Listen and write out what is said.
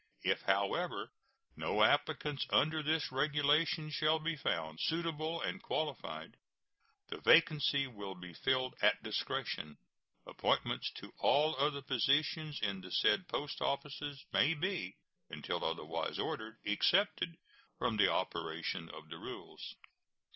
If, however, no applicants under this regulation shall be found suitable and qualified, the vacancy will be filled at discretion. Appointments to all other positions in the said post offices may be, until otherwise ordered, excepted from the operation of the rules.